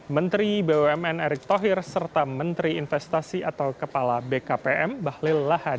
menteri bumn erick thohir serta menteri investasi atau kepala bkpm bahlil lahadi